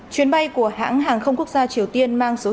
chuyến bay của hãng hàng không triều tiên air korea từ thủ đô bình nhưỡng